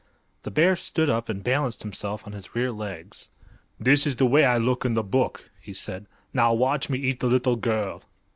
The bear stood up and balanced himself on his rear legs. "This is the way I look in the book," he said. "Now watch me eat the little girl."